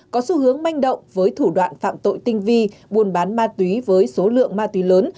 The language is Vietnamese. có xu hướng manh động với thủ đoạn phạm tội tinh vi buôn bán ma túy với số lượng ma túy lớn